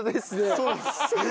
そうです。